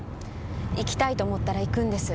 行きたいと思ったら行くんです。